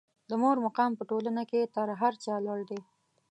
د مور مقام په ټولنه کې تر هر چا لوړ دی.